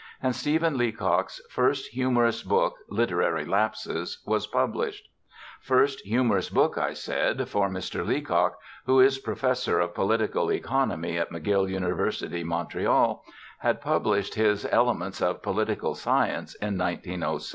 And Stephen Leacock's first humorous book Literary Lapses was published. First humorous book, I said, for Mr. Leacock who is professor of political economy at McGill University, Montreal had published his Elements of Political Science in 1906.